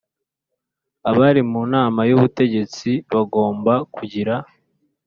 Abari mu nama y ubutegetsi bagomba kugira